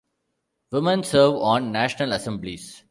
Women serve on National Assemblies.